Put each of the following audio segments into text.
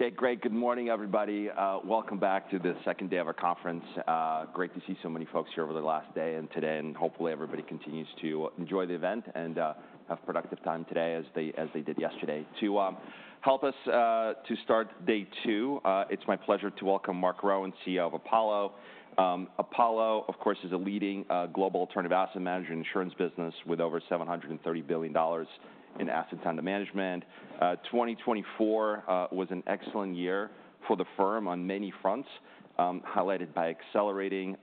Okay, great. Good morning, everybody. Welcome back to the second day of our conference. Great to see so many folks here over the last day and today, and hopefully everybody continues to enjoy the event and have productive time today as they did yesterday. To help us to start day two, it's my pleasure to welcome Marc Rowan, CEO of Apollo. Apollo, of course, is a leading global alternative asset manager and insurance business with over $730 billion in assets under management. 2024 was an excellent year for the firm on many fronts, highlighted by accelerating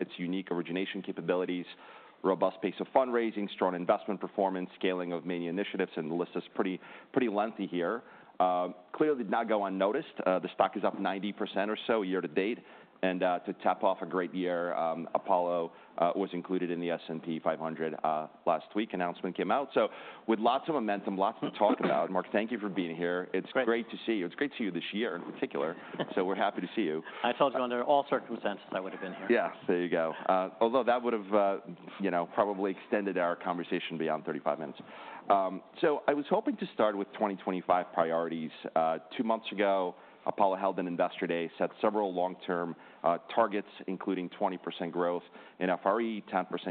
its unique origination capabilities, robust pace of fundraising, strong investment performance, scaling of many initiatives, and the list is pretty lengthy here. Clearly did not go unnoticed. The stock is up 90% or so year to date, and to top off a great year, Apollo was included in the S&P 500 last week. Announcement came out. So with lots of momentum, lots to talk about. Marc, thank you for being here. It's great to see you. It's great to see you this year in particular. So we're happy to see you. I told you under all circumstances I would have been here. Yeah, there you go. Although that would have probably extended our conversation beyond 35 minutes. So I was hoping to start with 2025 priorities. Two months ago, Apollo held an Investor Day, set several long-term targets, including 20% growth in FRE, 10%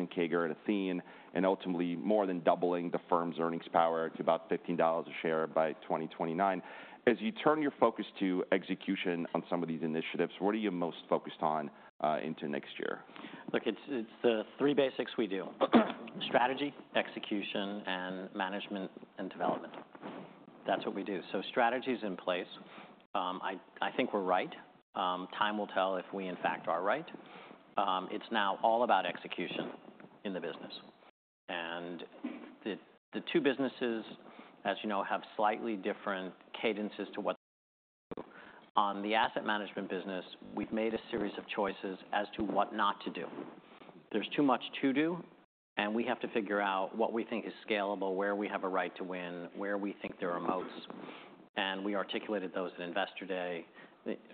CAGR at Athene, and ultimately more than doubling the firm's earnings power to about $15 a share by 2029. As you turn your focus to execution on some of these initiatives, what are you most focused on into next year? Look, it's the three basics we do: strategy, execution, and management and development. That's what we do. So strategy is in place. I think we're right. Time will tell if we in fact are right. It's now all about execution in the business. And the two businesses, as you know, have slightly different cadences to what they do. On the asset management business, we've made a series of choices as to what not to do. There's too much to do, and we have to figure out what we think is scalable, where we have a right to win, where we think there are moats. And we articulated those at Investor Day.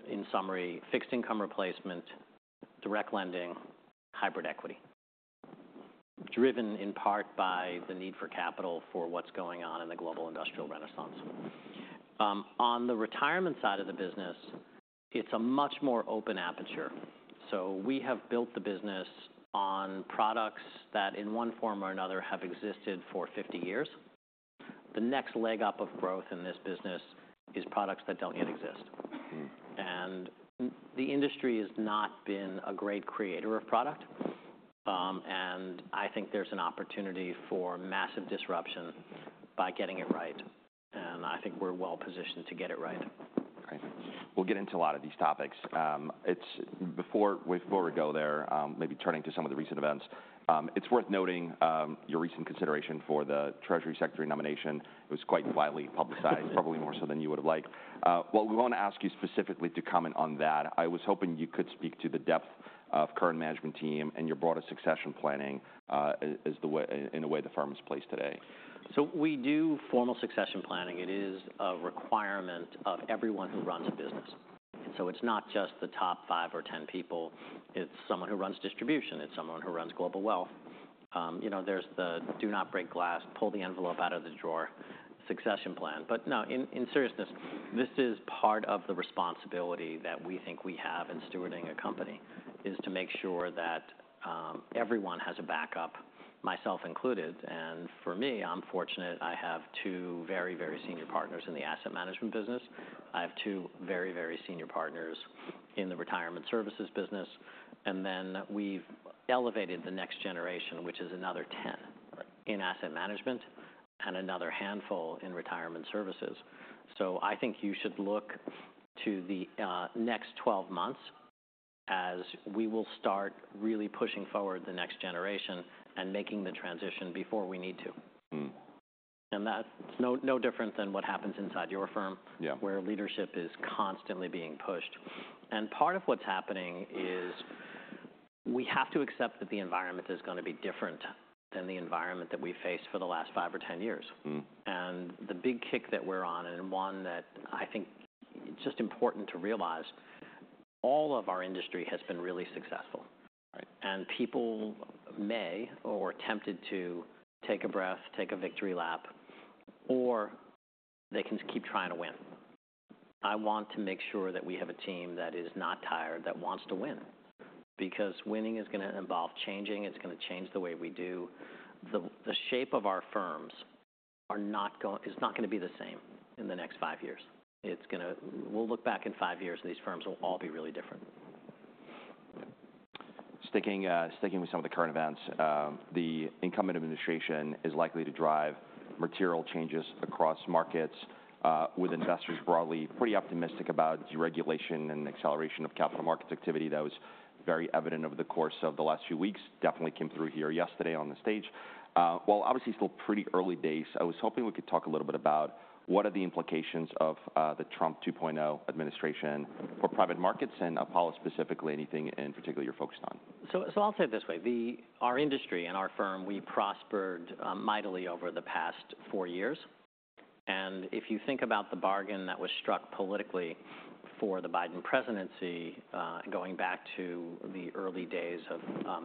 In summary, fixed income replacement, direct lending, hybrid equity, driven in part by the need for capital for what's going on in the global industrial renaissance. On the retirement side of the business, it's a much more open aperture. So we have built the business on products that in one form or another have existed for 50 years. The next leg up of growth in this business is products that don't yet exist. And the industry has not been a great creator of product. And I think there's an opportunity for massive disruption by getting it right. And I think we're well positioned to get it right. Great. We'll get into a lot of these topics. Before we go there, maybe turning to some of the recent events, it's worth noting your recent consideration for the Treasury Secretary nomination. It was quite widely publicized, probably more so than you would have liked. What we want to ask you specifically to comment on that. I was hoping you could speak to the depth of current management team and your broader succession planning in the way the firm is placed today. We do formal succession planning. It is a requirement of everyone who runs a business. So it's not just the top five or 10 people. It's someone who runs distribution. It's someone who runs global wealth. There's the do not break glass, pull the envelope out of the drawer succession plan. But no, in seriousness, this is part of the responsibility that we think we have in stewarding a company, is to make sure that everyone has a backup, myself included. And for me, I'm fortunate. I have two very, very senior partners in the asset management business. I have two very, very senior partners in the retirement services business. And then we've elevated the next generation, which is another 10 in asset management and another handful in retirement services. So I think you should look to the next 12 months as we will start really pushing forward the next generation and making the transition before we need to. And that's no different than what happens inside your firm, where leadership is constantly being pushed. And part of what's happening is we have to accept that the environment is going to be different than the environment that we've faced for the last five or 10 years. And the big kick that we're on, and one that I think it's just important to realize, all of our industry has been really successful. And people may or are tempted to take a breath, take a victory lap, or they can keep trying to win. I want to make sure that we have a team that is not tired, that wants to win, because winning is going to involve changing. It's going to change the way we do. The shape of our firms is not going to be the same in the next five years. We'll look back in five years and these firms will all be really different. Sticking with some of the current events, the incumbent administration is likely to drive material changes across markets with investors broadly pretty optimistic about deregulation and acceleration of capital markets activity. That was very evident over the course of the last few weeks. Definitely came through here yesterday on the stage. While obviously still pretty early days, I was hoping we could talk a little bit about what are the implications of the Trump 2.0 administration for private markets and Apollo specifically, anything in particular you're focused on? So I'll say it this way. Our industry and our firm, we prospered mightily over the past four years. And if you think about the bargain that was struck politically for the Biden presidency, going back to the early days of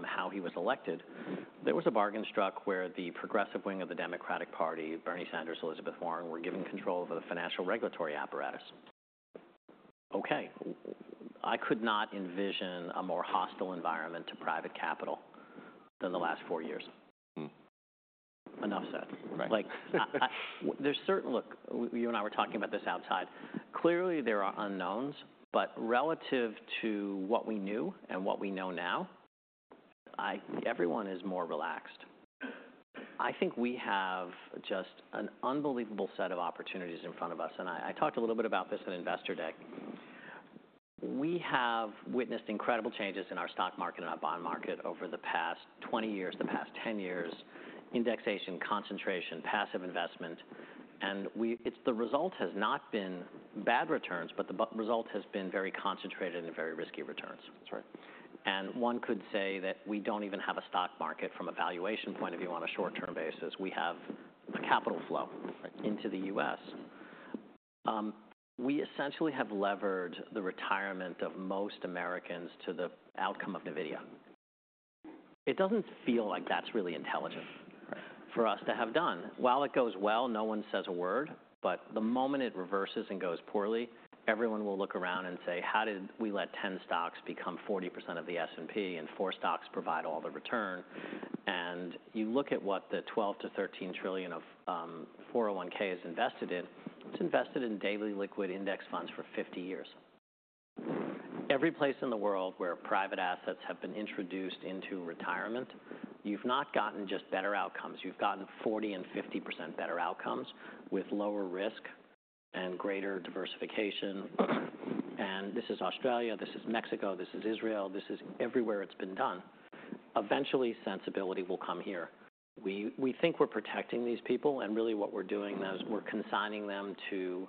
how he was elected, there was a bargain struck where the progressive wing of the Democratic Party, Bernie Sanders, Elizabeth Warren, were given control over the financial regulatory apparatus. Okay, I could not envision a more hostile environment to private capital than the last four years. Enough said. Look, you and I were talking about this outside. Clearly there are unknowns, but relative to what we knew and what we know now, everyone is more relaxed. I think we have just an unbelievable set of opportunities in front of us. And I talked a little bit about this at Investor Day. We have witnessed incredible changes in our stock market and or bond market over the past 20 years, the past 10 years, indexation, concentration, passive investment. And the result has not been bad returns, but the result has been very concentrated and very risky returns. And one could say that we don't even have a stock market from a valuation point of view on a short-term basis. We have capital flow into the U.S. We essentially have levered the retirement of most Americans to the outcome of NVIDIA. It doesn't feel like that's really intelligent for us to have done. While it goes well, no one says a word. But the moment it reverses and goes poorly, everyone will look around and say, how did we let 10 stocks become 40% of the S&P and four stocks provide all the return? You look at what the $12 trillion-13 trillion of 401(k) is invested in. It's invested in daily liquid index funds for 50 years. Every place in the world where private assets have been introduced into retirement, you've not gotten just better outcomes. You've gotten 40% and 50% better outcomes with lower risk and greater diversification. This is Australia, this is Mexico, this is Israel, this is everywhere it's been done. Eventually, sensibility will come here. We think we're protecting these people. Really what we're doing now is we're consigning them to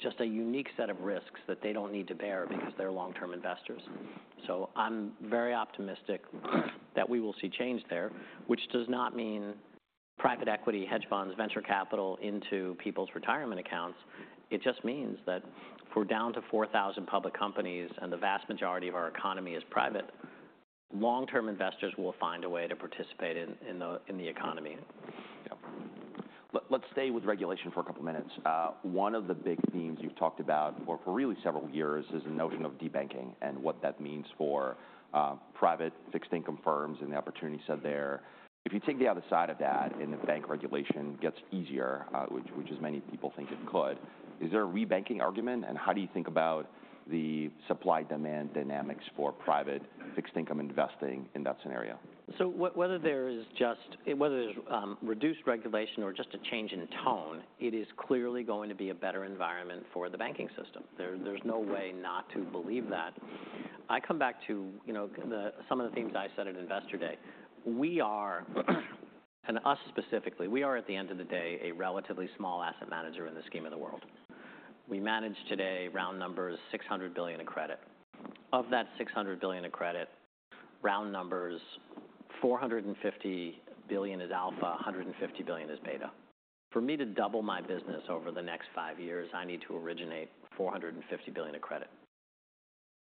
just a unique set of risks that they don't need to bear because they're long-term investors. I'm very optimistic that we will see change there, which does not mean private equity, hedge funds, venture capital into people's retirement accounts. It just means that if we're down to 4,000 public companies and the vast majority of our economy is private, long-term investors will find a way to participate in the economy. Let's stay with regulation for a couple of minutes. One of the big themes you've talked about for really several years is the notion of debanking and what that means for private fixed income firms and the opportunity set there. If you take the other side of that and the bank regulation gets easier, which as many people think it could, is there a rebanking argument? And how do you think about the supply-demand dynamics for private fixed income investing in that scenario? So whether there is just reduced regulation or just a change in tone, it is clearly going to be a better environment for the banking system. There's no way not to believe that. I come back to some of the themes I said at Investor Day. And us specifically, we are at the end of the day a relatively small asset manager in the scheme of the world. We manage today round numbers $600 billion of credit. Of that $600 billion of credit, round numbers $450 billion is alpha, $150 billion is beta. For me to double my business over the next five years, I need to originate $450 billion of credit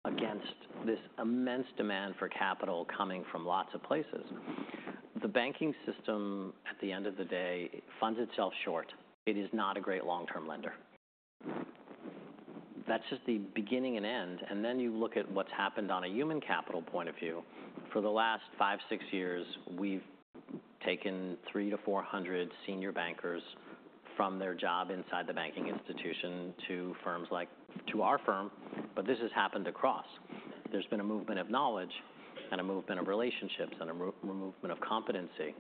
against this immense demand for capital coming from lots of places. The banking system at the end of the day funds itself short. It is not a great long-term lender. That's just the beginning and end. And then you look at what's happened on a human capital point of view. For the last five, six years, we've taken three to four hundred senior bankers from their job inside the banking institution to firms like to our firm. But this has happened across. There's been a movement of knowledge and a movement of relationships and a movement of competency.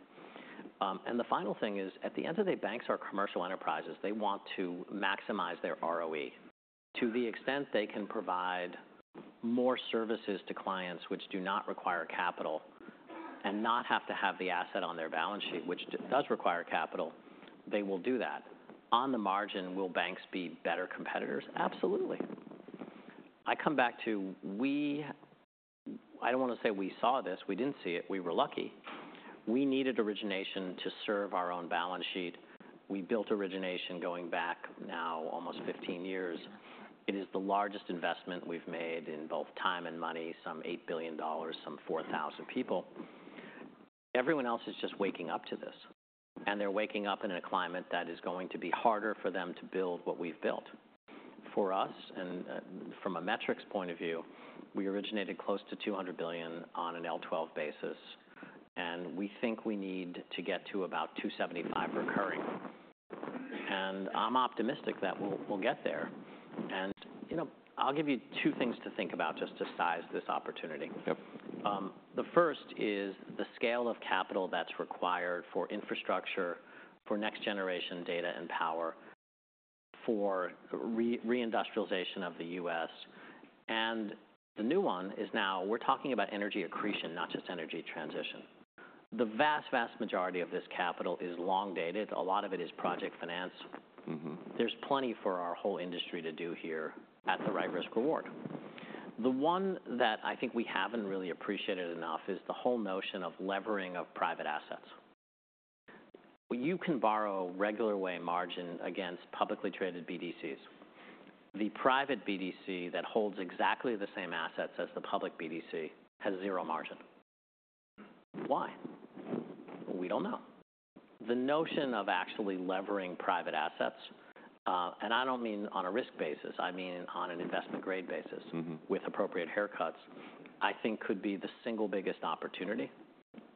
And the final thing is at the end of the day, banks are commercial enterprises. They want to maximize their ROE. To the extent they can provide more services to clients which do not require capital and not have to have the asset on their balance sheet, which does require capital, they will do that. On the margin, will banks be better competitors? Absolutely. I come back to, I don't want to say we saw this, we didn't see it, we were lucky. We needed origination to serve our own balance sheet. We built origination going back now almost 15 years. It is the largest investment we've made in both time and money, some $8 billion, some 4,000 people. Everyone else is just waking up to this, and they're waking up in a climate that is going to be harder for them to build what we've built. For us, and from a metrics point of view, we originated close to $200 billion on an L12 basis, and we think we need to get to about $275 billion recurring, and I'm optimistic that we'll get there, and I'll give you two things to think about just to size this opportunity. The first is the scale of capital that's required for infrastructure, for next generation data and power, for reindustrialization of the U.S. The new one is now we're talking about energy accretion, not just energy transition. The vast, vast majority of this capital is long dated. A lot of it is project finance. There's plenty for our whole industry to do here at the right risk-reward. The one that I think we haven't really appreciated enough is the whole notion of levering of private assets. You can borrow regular way margin against publicly traded BDCs. The private BDC that holds exactly the same assets as the public BDC has zero margin. Why? We don't know. The notion of actually levering private assets, and I don't mean on a risk basis, I mean on an investment grade basis with appropriate haircuts, I think could be the single biggest opportunity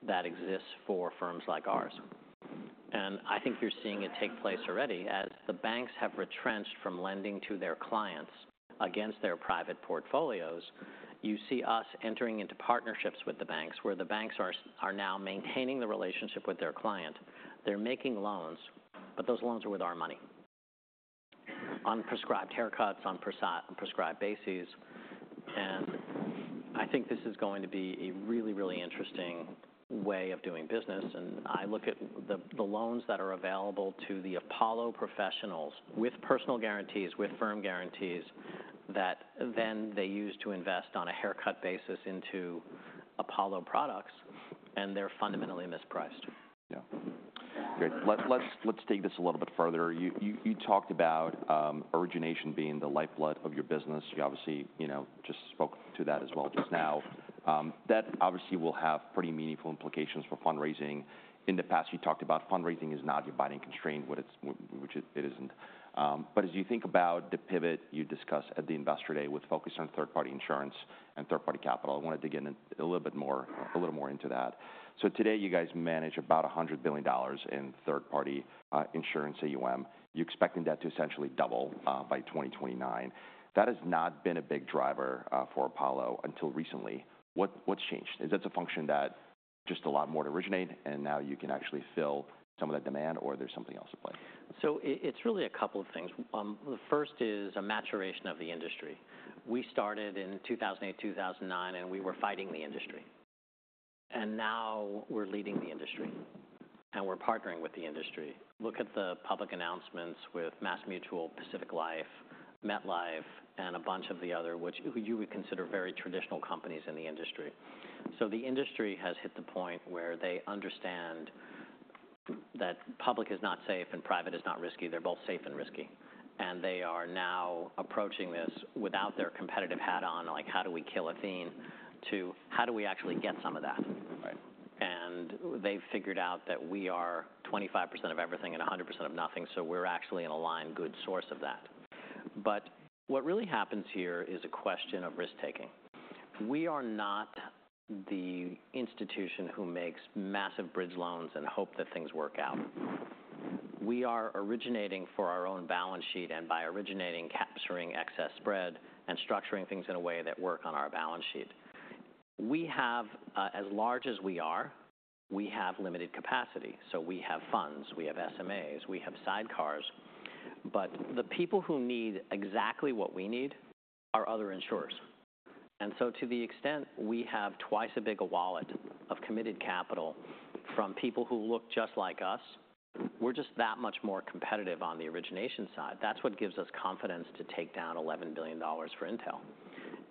that exists for firms like ours. And I think you're seeing it take place already as the banks have retrenched from lending to their clients against their private portfolios. You see us entering into partnerships with the banks where the banks are now maintaining the relationship with their client. They're making loans, but those loans are with our money. Unprescribed haircuts on prescribed bases. And I think this is going to be a really, really interesting way of doing business. And I look at the loans that are available to the Apollo professionals with personal guarantees, with firm guarantees that then they use to invest on a haircut basis into Apollo products. And they're fundamentally mispriced. Yeah. Great. Let's take this a little bit further. You talked about origination being the lifeblood of your business. You obviously just spoke to that as well just now. That obviously will have pretty meaningful implications for fundraising. In the past, you talked about fundraising is not your binding constraint, which it isn't. But as you think about the pivot you discussed at the Investor Day with focus on third-party insurance and third-party capital, I want to dig in a little bit more into that. So today you guys manage about $100 billion in third-party insurance AUM. You're expecting that to essentially double by 2029. That has not been a big driver for Apollo until recently. What's changed? Is that a function that just allowed more to originate and now you can actually fill some of that demand or there's something else at play? So it's really a couple of things. The first is a maturation of the industry. We started in 2008, 2009, and we were fighting the industry. And now we're leading the industry and we're partnering with the industry. Look at the public announcements with MassMutual, Pacific Life, MetLife, and a bunch of the other, which you would consider very traditional companies in the industry. So the industry has hit the point where they understand that public is not safe and private is not risky. They're both safe and risky. And they are now approaching this without their competitive hat on, like how do we kill Athene to how do we actually get some of that? And they've figured out that we are 25% of everything and 100% of nothing, so we're actually an aligned good source of that. But what really happens here is a question of risk-taking. We are not the institution who makes massive bridge loans and hope that things work out. We are originating for our own balance sheet and by originating capturing excess spread and structuring things in a way that work on our balance sheet. We have, as large as we are, we have limited capacity. So we have funds, we have SMAs, we have sidecars. But the people who need exactly what we need are other insurers. And so to the extent we have twice a bigger wallet of committed capital from people who look just like us, we're just that much more competitive on the origination side. That's what gives us confidence to take down $11 billion for Intel.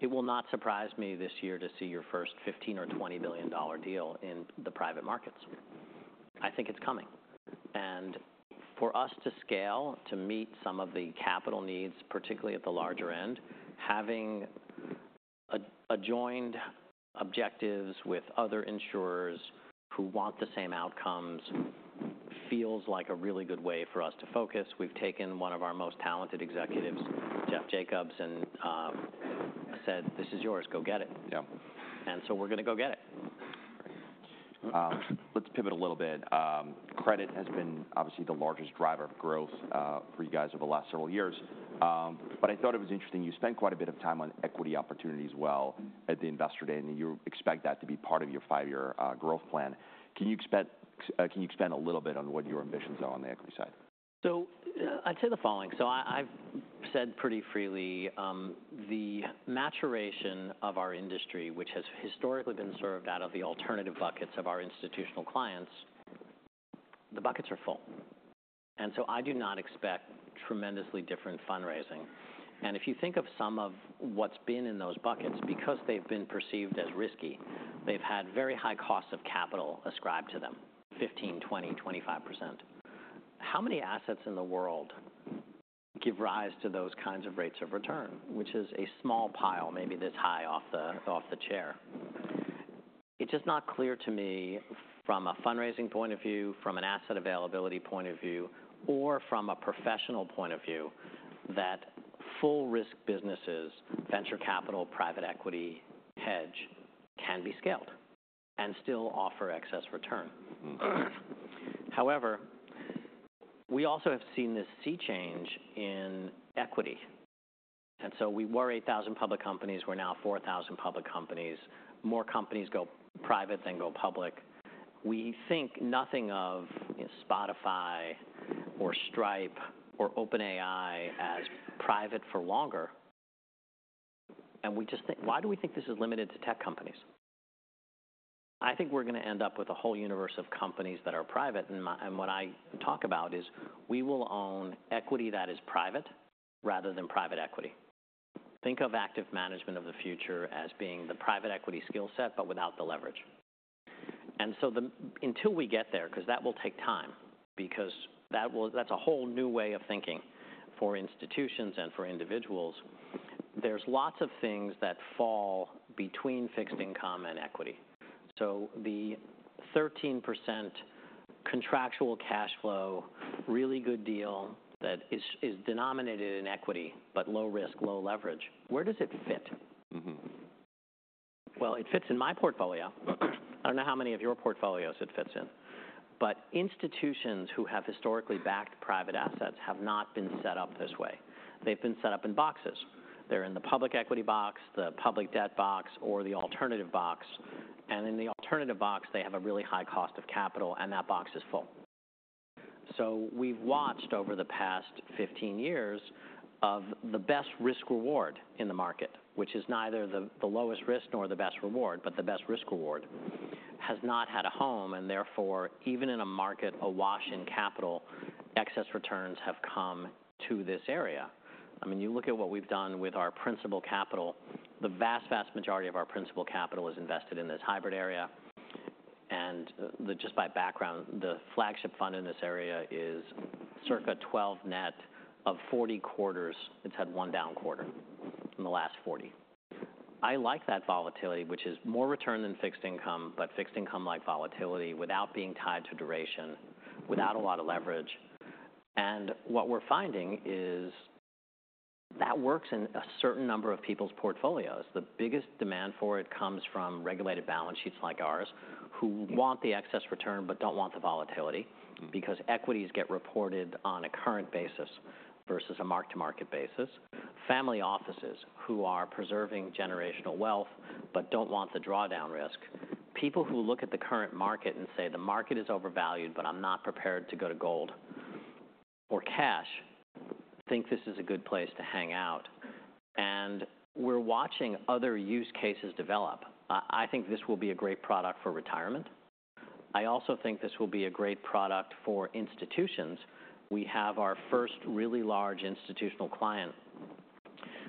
It will not surprise me this year to see your first $15 billion-$20 billion deal in the private markets. I think it's coming. For us to scale, to meet some of the capital needs, particularly at the larger end, having aligned objectives with other insurers who want the same outcomes feels like a really good way for us to focus. We've taken one of our most talented executives, Jeff Jacobs, and said, this is yours, go get it. So we're going to go get it. Let's pivot a little bit. Credit has been obviously the largest driver of growth for you guys over the last several years, but I thought it was interesting. You spent quite a bit of time on equity opportunities well at the Investor Day, and you expect that to be part of your five-year growth plan. Can you expand a little bit on what your ambitions are on the equity side? So I'd say the following. So I've said pretty freely the maturation of our industry, which has historically been served out of the alternative buckets of our institutional clients. The buckets are full. And so I do not expect tremendously different fundraising. And if you think of some of what's been in those buckets, because they've been perceived as risky, they've had very high costs of capital ascribed to them, 15%-25%. How many assets in the world give rise to those kinds of rates of return, which is a small pile, maybe this high off the chair? It's just not clear to me from a fundraising point of view, from an asset availability point of view, or from a professional point of view that full risk businesses, venture capital, private equity, hedge can be scaled and still offer excess return. However, we also have seen this sea change in equity. And so we were 8,000 public companies, we're now 4,000 public companies. More companies go private than go public. We think nothing of Spotify or Stripe or OpenAI as private for longer. And we just think, why do we think this is limited to tech companies? I think we're going to end up with a whole universe of companies that are private. And what I talk about is we will own equity that is private rather than private equity. Think of active management of the future as being the private equity skill set, but without the leverage. And so until we get there, because that will take time, because that's a whole new way of thinking for institutions and for individuals, there's lots of things that fall between fixed income and equity. So the 13% contractual cash flow, really good deal that is denominated in equity, but low risk, low leverage, where does it fit? Well, it fits in my portfolio. I don't know how many of your portfolios it fits in. But institutions who have historically backed private assets have not been set up this way. They've been set up in boxes. They're in the public equity box, the public debt box, or the alternative box. And in the alternative box, they have a really high cost of capital and that box is full. So we've watched over the past 15 years of the best risk-reward in the market, which is neither the lowest risk nor the best reward, but the best risk-reward has not had a home. And therefore, even in a market awash in capital, excess returns have come to this area. I mean, you look at what we've done with our principal capital. The vast, vast majority of our principal capital is invested in this hybrid area. And just by background, the flagship fund in this area is circa 12 net of 40 quarters. It's had one down quarter in the last 40. I like that volatility, which is more return than fixed income, but fixed income-like volatility without being tied to duration, without a lot of leverage. And what we're finding is that works in a certain number of people's portfolios. The biggest demand for it comes from regulated balance sheets like ours who want the excess return but don't want the volatility because equities get reported on a current basis versus a mark-to-market basis. Family offices who are preserving generational wealth but don't want the drawdown risk. People who look at the current market and say the market is overvalued, but I'm not prepared to go to gold or cash, think this is a good place to hang out, and we're watching other use cases develop. I think this will be a great product for retirement. I also think this will be a great product for institutions. We have our first really large institutional client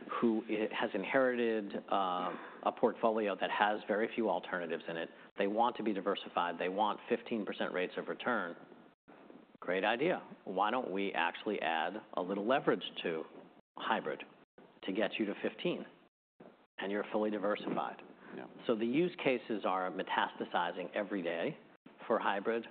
who has inherited a portfolio that has very few alternatives in it. They want to be diversified. They want 15% rates of return. Great idea. Why don't we actually add a little leverage to hybrid to get you to 15 and you're fully diversified, so the use cases are metastasizing every day for hybrid.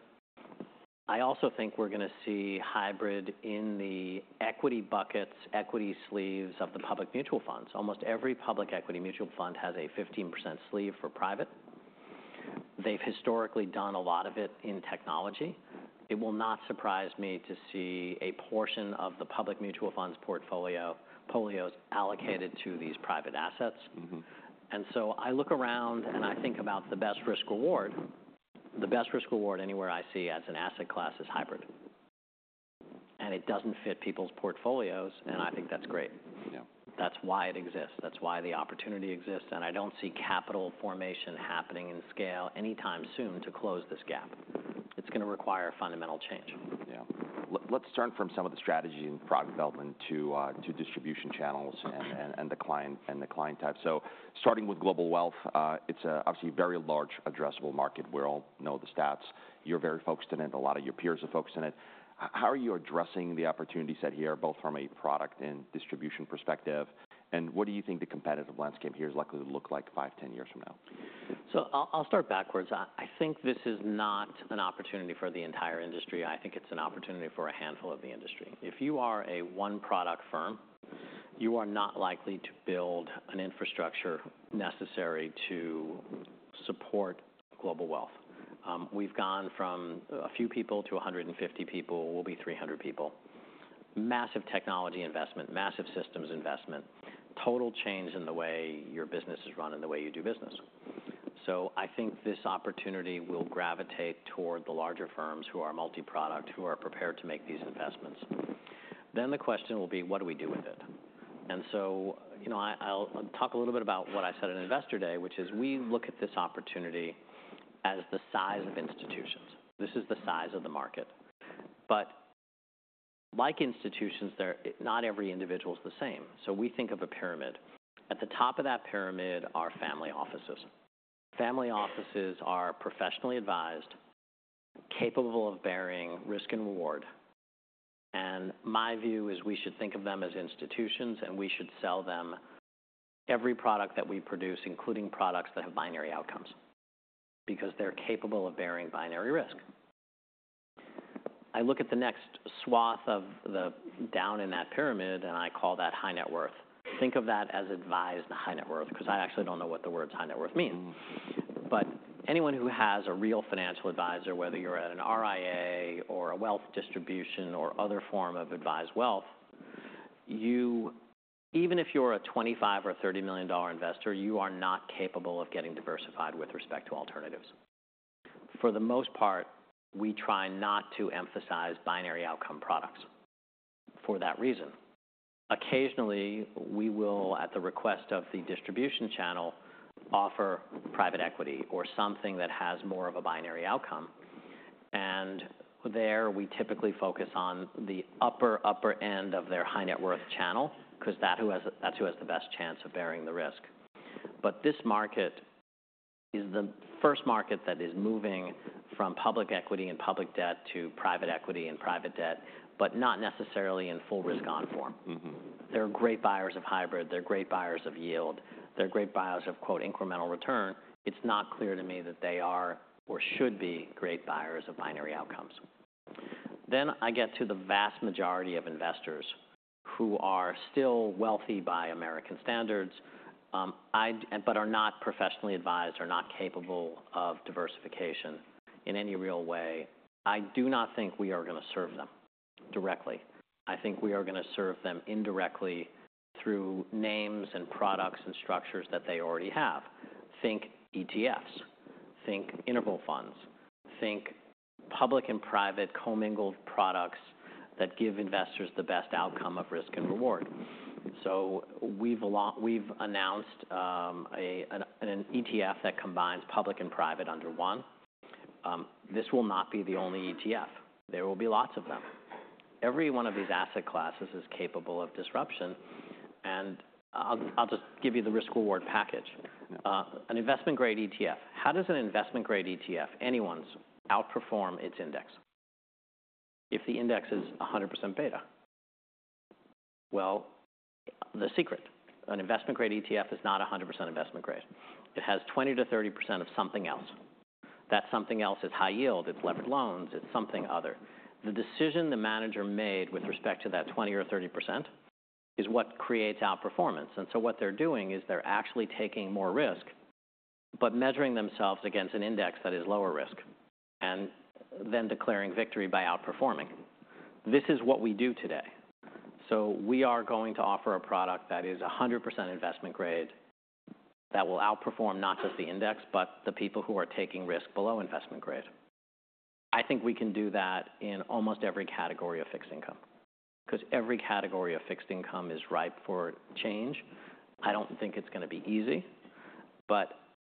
I also think we're going to see hybrid in the equity buckets, equity sleeves of the public mutual funds. Almost every public equity mutual fund has a 15% sleeve for private. They've historically done a lot of it in technology. It will not surprise me to see a portion of the public mutual funds portfolio allocated to these private assets. And so I look around and I think about the best risk-reward. The best risk-reward anywhere I see as an asset class is hybrid. And it doesn't fit people's portfolios. And I think that's great. That's why it exists. That's why the opportunity exists. And I don't see capital formation happening in scale anytime soon to close this gap. It's going to require fundamental change. Yeah. Let's turn from some of the strategy and product development to distribution channels and the client type. So starting with global wealth, it's obviously a very large addressable market. We all know the stats. You're very focused on it. A lot of your peers are focused on it. How are you addressing the opportunities set here, both from a product and distribution perspective? And what do you think the competitive landscape here is likely to look like five, 10 years from now? I'll start backwards. I think this is not an opportunity for the entire industry. I think it's an opportunity for a handful of the industry. If you are a one-product firm, you are not likely to build an infrastructure necessary to support global wealth. We've gone from a few people to 150 people. We'll be 300 people. Massive technology investment, massive systems investment, total change in the way your business is run and the way you do business. I think this opportunity will gravitate toward the larger firms who are multi-product, who are prepared to make these investments. Then the question will be, what do we do with it? I'll talk a little bit about what I said at Investor Day, which is we look at this opportunity as the size of institutions. This is the size of the market. Like institutions, not every individual is the same. So we think of a pyramid. At the top of that pyramid are family offices. Family offices are professionally advised, capable of bearing risk and reward. And my view is we should think of them as institutions and we should sell them every product that we produce, including products that have binary outcomes because they're capable of bearing binary risk. I look at the next swath down in that pyramid and I call that high net worth. Think of that as advised high net worth because I actually don't know what the words high net worth mean. But anyone who has a real financial advisor, whether you're at an RIA or a wealth distribution or other form of advised wealth, even if you're a $25 million-$30 million investor, you are not capable of getting diversified with respect to alternatives. For the most part, we try not to emphasize binary outcome products for that reason. Occasionally, we will, at the request of the distribution channel, offer private equity or something that has more of a binary outcome. And there we typically focus on the upper, upper end of their high net worth channel because that's who has the best chance of bearing the risk. But this market is the first market that is moving from public equity and public debt to private equity and private debt, but not necessarily in full risk-on form. They're great buyers of hybrid. They're great buyers of yield. They're great buyers of “incremental return.” It's not clear to me that they are or should be great buyers of binary outcomes. Then I get to the vast majority of investors who are still wealthy by American standards, but are not professionally advised, are not capable of diversification in any real way. I do not think we are going to serve them directly. I think we are going to serve them indirectly through names and products and structures that they already have. Think ETFs. Think interval funds. Think public and private co-mingled products that give investors the best outcome of risk and reward. So we've announced an ETF that combines public and private under one. This will not be the only ETF. There will be lots of them. Every one of these asset classes is capable of disruption. And I'll just give you the risk-reward package. An investment-grade ETF, how does an investment-grade ETF, anyone's, outperform its index? If the index is 100% beta. Well, the secret, an investment-grade ETF is not 100% investment-grade. It has 20%-30% of something else. That something else is high yield. It's levered loans. It's something other. The decision the manager made with respect to that 20% or 30% is what creates outperformance. And so what they're doing is they're actually taking more risk, but measuring themselves against an index that is lower risk, and then declaring victory by outperforming. This is what we do today. So we are going to offer a product that is 100% investment-grade that will outperform not just the index, but the people who are taking risk below investment-grade. I think we can do that in almost every category of fixed income because every category of fixed income is ripe for change. I don't think it's going to be easy. But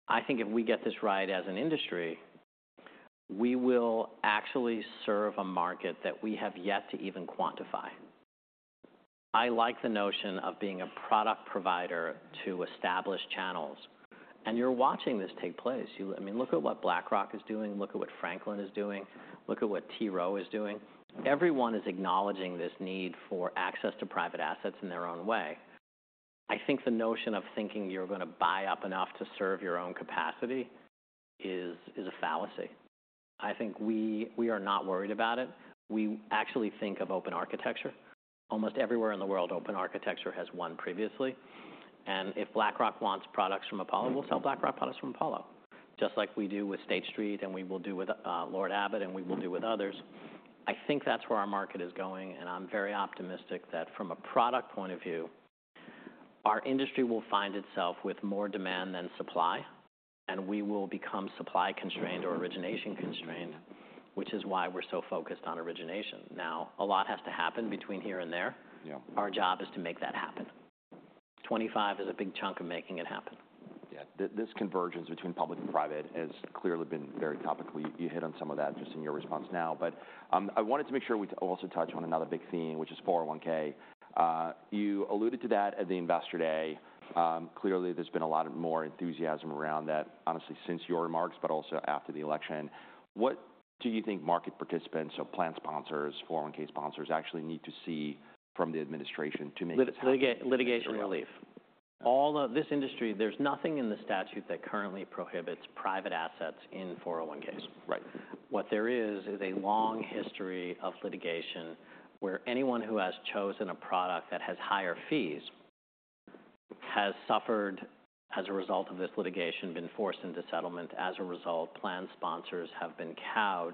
I think if we get this right as an industry, we will actually serve a market that we have yet to even quantify. I like the notion of being a product provider to established channels. And you're watching this take place. I mean, look at what BlackRock is doing. Look at what Franklin is doing. Look at what T. Rowe is doing. Everyone is acknowledging this need for access to private assets in their own way. I think the notion of thinking you're going to buy up enough to serve your own capacity is a fallacy. I think we are not worried about it. We actually think of open architecture. Almost everywhere in the world, open architecture has won previously. And if BlackRock wants products from Apollo, we'll sell BlackRock products from Apollo, just like we do with State Street and we will do with Lord Abbett and we will do with others. I think that's where our market is going. And I'm very optimistic that from a product point of view, our industry will find itself with more demand than supply. And we will become supply constrained or origination constrained, which is why we're so focused on origination. Now, a lot has to happen between here and there. Our job is to make that happen.2025 is a big chunk of making it happen. Yeah. This convergence between public and private has clearly been very topical. You hit on some of that just in your response now. But I wanted to make sure we also touch on another big theme, which is 401(k). You alluded to that at the Investor Day. Clearly, there's been a lot more enthusiasm around that, honestly, since your remarks, but also after the election. What do you think market participants, so plan sponsors, 401(k) sponsors actually need to see from the administration to make this happen? Litigation relief. This industry, there's nothing in the statute that currently prohibits private assets in 401(k)s. What there is is a long history of litigation where anyone who has chosen a product that has higher fees has suffered as a result of this litigation, been forced into settlement. As a result, plan sponsors have been cowed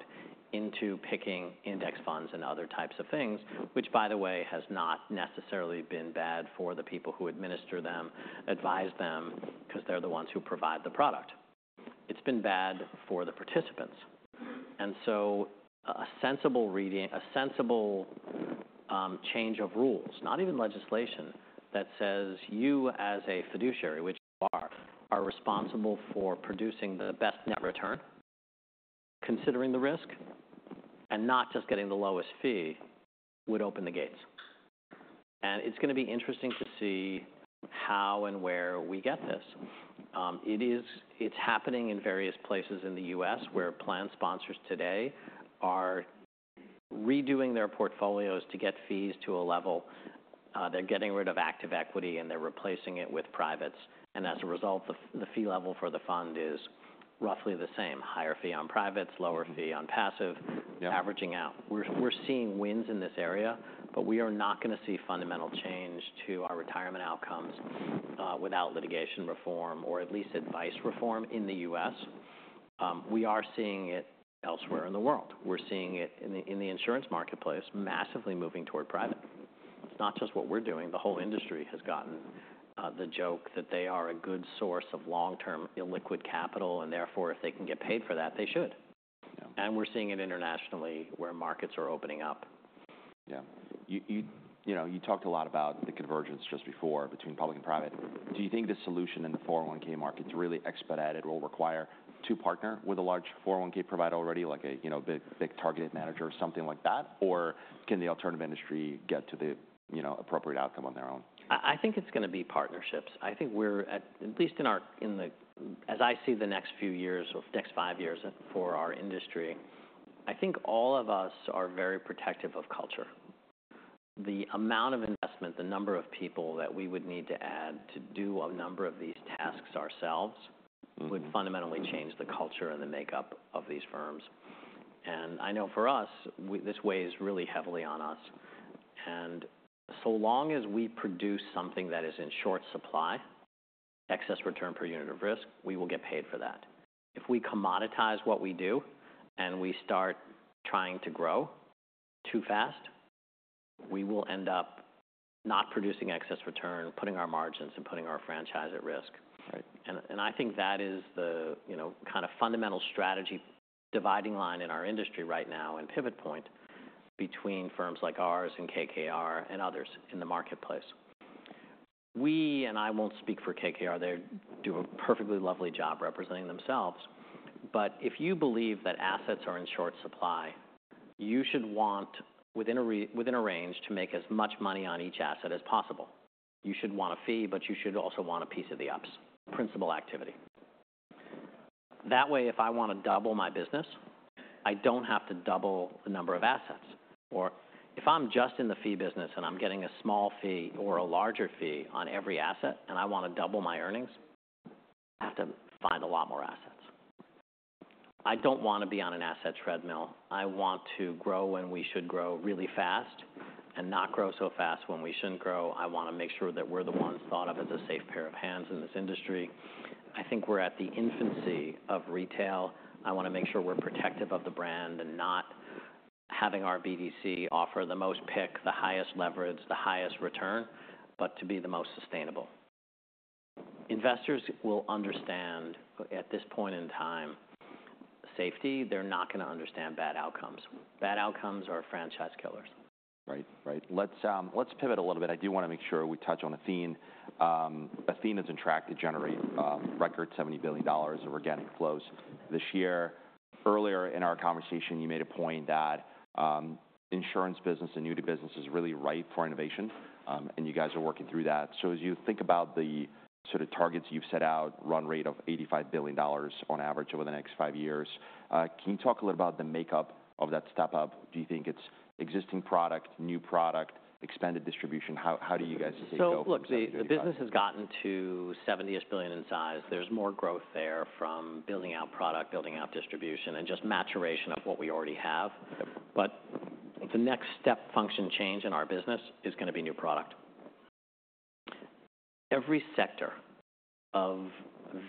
into picking index funds and other types of things, which, by the way, has not necessarily been bad for the people who administer them, advise them because they're the ones who provide the product. It's been bad for the participants. And so a sensible change of rules, not even legislation, that says you as a fiduciary, which you are, are responsible for producing the best net return, considering the risk, and not just getting the lowest fee would open the gates. It's going to be interesting to see how and where we get this. It's happening in various places in the U.S. where plan sponsors today are redoing their portfolios to get fees to a level. They're getting rid of active equity and they're replacing it with privates. As a result, the fee level for the fund is roughly the same: higher fee on privates, lower fee on passive, averaging out. We're seeing wins in this area, but we are not going to see fundamental change to our retirement outcomes without litigation reform or at least advice reform in the U.S. We are seeing it elsewhere in the world. We're seeing it in the insurance marketplace massively moving toward private. It's not just what we're doing. The whole industry has gotten the joke that they are a good source of long-term illiquid capital. And therefore, if they can get paid for that, they should. And we're seeing it internationally where markets are opening up. Yeah. You talked a lot about the convergence just before between public and private. Do you think the solution in the 401(k) market to really expedite it will require to partner with a large 401(k) provider already, like a big target-date manager or something like that? Or can the alternative industry get to the appropriate outcome on their own? I think it's going to be partnerships. I think we're, at least in the, as I see the next few years or next five years for our industry, I think all of us are very protective of culture. The amount of investment, the number of people that we would need to add to do a number of these tasks ourselves would fundamentally change the culture and the makeup of these firms. And I know for us, this weighs really heavily on us. And so long as we produce something that is in short supply, excess return per unit of risk, we will get paid for that. If we commoditize what we do and we start trying to grow too fast, we will end up not producing excess return, putting our margins and putting our franchise at risk. And I think that is the kind of fundamental strategy dividing line in our industry right now and pivot point between firms like ours and KKR and others in the marketplace. We and I won't speak for KKR. They do a perfectly lovely job representing themselves. But if you believe that assets are in short supply, you should want within a range to make as much money on each asset as possible. You should want a fee, but you should also want a piece of the ups, principal activity. That way, if I want to double my business, I don't have to double the number of assets. Or if I'm just in the fee business and I'm getting a small fee or a larger fee on every asset and I want to double my earnings, I have to find a lot more assets. I don't want to be on an asset treadmill. I want to grow when we should grow really fast and not grow so fast when we shouldn't grow. I want to make sure that we're the ones thought of as a safe pair of hands in this industry. I think we're at the infancy of retail. I want to make sure we're protective of the brand and not having our BDC offer the most yield, the highest leverage, the highest return, but to be the most sustainable. Investors will understand at this point in time safety. They're not going to understand bad outcomes. Bad outcomes are franchise killers. Right. Right. Let's pivot a little bit. I do want to make sure we touch on Athene. Athene's on track to generate record $70 billion of organic flows this year. Earlier in our conversation, you made a point that insurance business and new business is really ripe for innovation. And you guys are working through that. So as you think about the sort of targets you've set out, run rate of $85 billion on average over the next five years, can you talk a little about the makeup of that step-up? Do you think it's existing product, new product, expanded distribution? How do you guys tackle those? So look, the business has gotten to $70-ish billion in size. There's more growth there from building out product, building out distribution, and just maturation of what we already have. But the next step function change in our business is going to be new product. Every sector of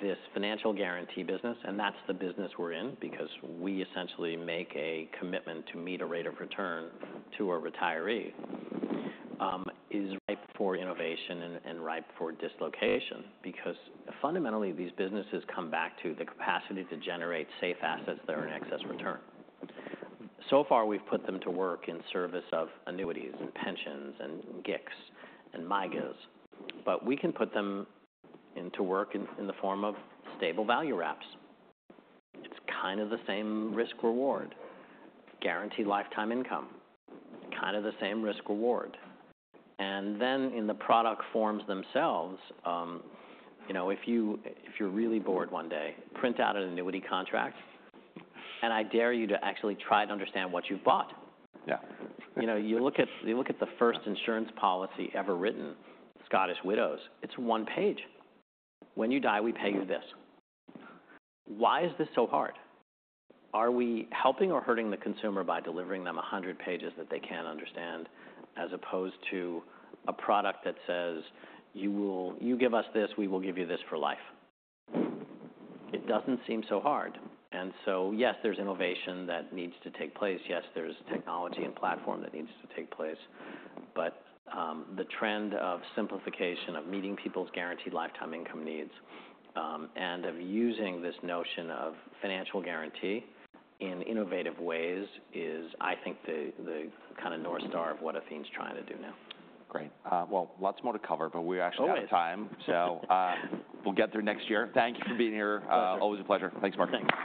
this financial guarantee business, and that's the business we're in because we essentially make a commitment to meet a rate of return to a retiree, is ripe for innovation and ripe for dislocation because fundamentally these businesses come back to the capacity to generate safe assets that are in excess return. So far, we've put them to work in service of annuities and pensions and GICs and MYGAs. But we can put them into work in the form of stable value wraps. It's kind of the same risk-reward, guaranteed lifetime income, kind of the same risk-reward. Then in the product forms themselves, if you're really bored one day, print out an annuity contract. I dare you to actually try to understand what you've bought. You look at the first insurance policy ever written, Scottish Widows. It's one page. When you die, we pay you this. Why is this so hard? Are we helping or hurting the consumer by delivering them 100 pages that they can't understand as opposed to a product that says, you give us this, we will give you this for life? It doesn't seem so hard. So yes, there's innovation that needs to take place. Yes, there's technology and platform that needs to take place. But the trend of simplification, of meeting people's guaranteed lifetime income needs, and of using this notion of financial guarantee in innovative ways is, I think, the kind of North Star of what Athene's trying to do now. Great. Well, lots more to cover, but we actually have time. So we'll get through next year. Thank you for being here. Always a pleasure. Thanks, Marc.